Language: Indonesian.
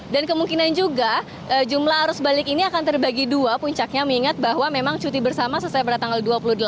dan kemungkinan juga jumlah arus balik ini akan terbagi dua puncaknya mengingat bahwa memang cuti bersama selesai pada tanggal dua puluh delapan